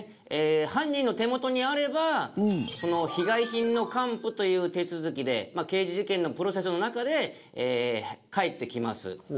犯人の手元にあれば被害品の還付という手続きで刑事事件のプロセスの中で返ってきます。